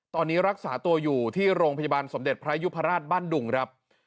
ตอนนี้รักษาตัวอยู่ที่โรงพยาบาลสมเด็จพระยุพราชบ้านดุงครับ